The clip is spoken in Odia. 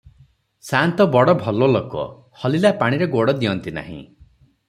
ସାଆନ୍ତ ବଡ଼ ଭଲଲୋକ, ହଲିଲା ପାଣିରେ ଗୋଡ଼ ଦିଅନ୍ତି ନାହିଁ ।